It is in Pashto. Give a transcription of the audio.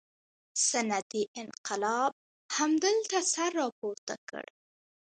صنعتي انقلاب همدلته سر راپورته کړ.